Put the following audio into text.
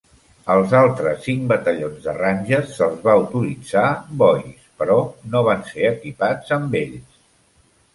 Als altres cinc batallons de Rangers se'ls va autoritzar Boys, però no van ser equipats amb ells.